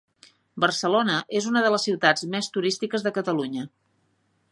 Barcelona és una de les ciutats més turístiques de Catalunya.